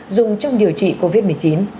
dùng trong điều trị covid một mươi chín